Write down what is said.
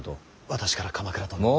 私から鎌倉殿に。